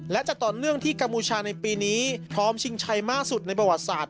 และจะต่อเนื่องที่กัมพูชาในปีนี้พร้อมชิงชัยมากสุดในประวัติศาสต